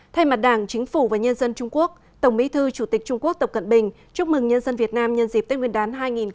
thay mặt đảng chính phủ và nhân dân trung quốc tổng bí thư chủ tịch trung quốc tập cận bình chúc mừng nhân dân việt nam nhân dịp tết nguyên đán hai nghìn hai mươi